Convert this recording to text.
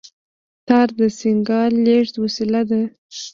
تار د سیګنال لېږد وسیله ده.